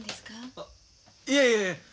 あいえいえ。